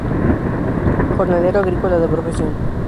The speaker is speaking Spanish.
Jornalero agrícola de profesión.